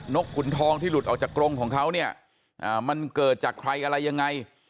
กขุนทองที่หลุดออกจากกรงของเขาเนี่ยมันเกิดจากใครอะไรยังไง